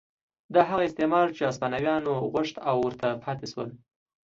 دا هغه استعمار و چې هسپانویانو غوښت او ورته پاتې شول.